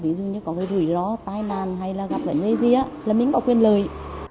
ví dụ như có rủi ro tai nạn hay là gặp gặp người gì là mình bỏ quyền lời